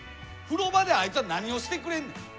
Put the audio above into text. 風呂場であいつは何をしてくれんねん？